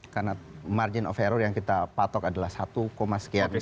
karena margin of error yang kita patok adalah satu sekian